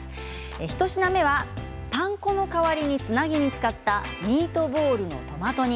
１品目はパン粉の代わりにつなぎに使ったミートボールのトマト煮。